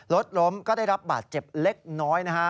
รถล้มก็ได้รับบาดเจ็บเล็กน้อยนะฮะ